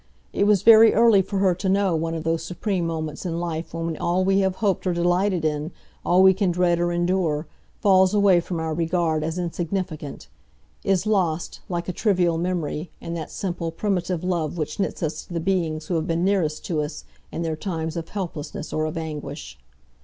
it was very early for her to know one of those supreme moments in life when all we have hoped or delighted in, all we can dread or endure, falls away from our regard as insignificant; is lost, like a trivial memory, in that simple, primitive love which knits us to the beings who have been nearest to us, in their times of helplessness or of anguish.